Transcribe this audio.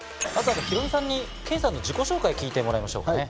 ヒロミさんにケンさんの自己紹介聞いてもらいましょうかね。